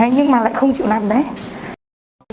nhưng mà lại không chịu nằm đấy